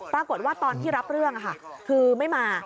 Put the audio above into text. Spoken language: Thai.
ปรากฏว่าตอนที่รับเรื่องค่ะคือไม่มา